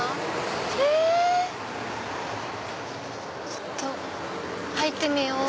ちょっと入ってみよう。